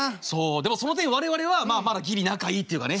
でもその点我々はまだギリ仲いいっていうかね。